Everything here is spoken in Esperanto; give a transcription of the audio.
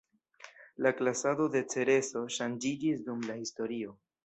La klasado de Cereso ŝanĝiĝis dum la historio.